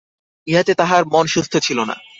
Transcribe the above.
ইহাতে তাঁহার মন সুস্থ ছিল না।